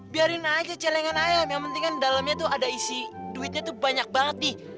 biarin aja celengan ayam yang penting kan dalamnya tuh ada isi duitnya tuh banyak banget nih